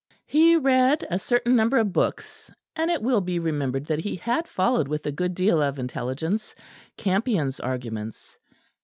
He read a certain number of books; and it will be remembered that he had followed, with a good deal of intelligence, Campion's arguments.